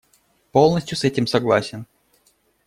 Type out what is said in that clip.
Полностью с этим согласен.